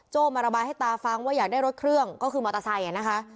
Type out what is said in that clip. มาระบายให้ตาฟังว่าอยากได้รถเครื่องก็คือมอเตอร์ไซค์นะคะ